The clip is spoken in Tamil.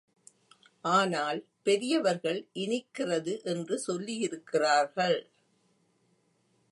ஆனால் பெரியவர்கள் இனிக்கிறது என்று சொல்லியிருக்கிறார்கள்.